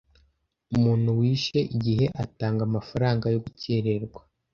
umuntu wishe igihe atanga amafaranga yo gukererwa